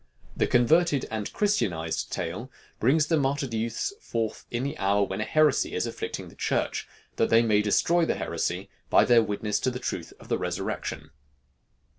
The converted and Christianized tale brings the martyr youths forth in the hour when a heresy is afflicting the Church, that they may destroy the heresy by their witness to the truth of the Resurrection.